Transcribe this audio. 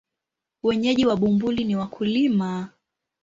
Wenyeji wa Bumbuli ni wakulima.